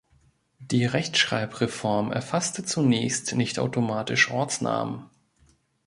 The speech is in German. Die Rechtschreibreform erfasste zunächst nicht automatisch Ortsnamen.